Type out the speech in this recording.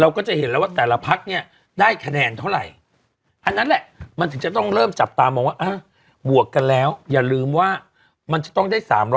เราก็จะเห็นแล้วว่าแต่ละพักเนี่ยได้คะแนนเท่าไหร่